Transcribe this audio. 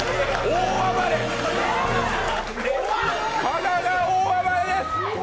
加賀が大暴れです！